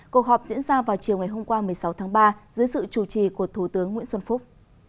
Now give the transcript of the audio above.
cuộc họp diễn ra vào chiều ngày hôm qua một mươi sáu tháng ba dưới sự chủ trì của thủ tướng nguyễn xuân phúc